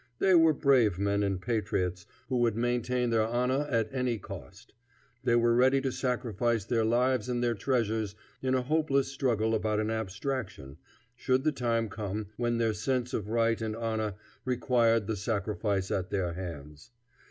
They were brave men and patriots, who would maintain their honor at any cost. They were ready to sacrifice their lives and their treasures in a hopeless struggle about an abstraction, should the time come when their sense of right and honor required the sacrifice at their hands.